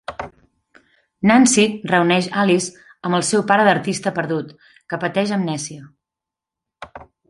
Nancy reuneix Alice amb el seu pare d'artista perdut, que pateix amnèsia.